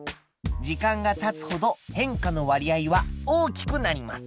時間がたつほど変化の割合は大きくなります。